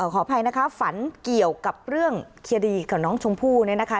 ขออภัยนะคะฝันเกี่ยวกับเรื่องเคลียร์ดีกับน้องชมพู่เนี่ยนะคะ